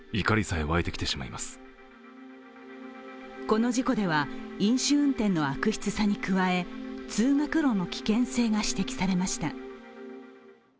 この事故では飲酒運転の悪質さに加え通学路の危険性が指摘されました。